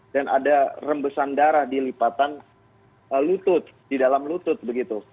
dan ada rembesan darah dilipatan lutut di dalam lutut begitu